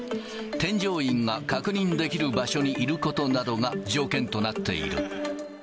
添乗員が確認できる場所にいることなどが条件となっている。